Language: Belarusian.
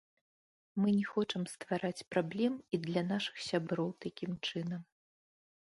Мы не хочам ствараць праблем і для нашых сяброў такім чынам.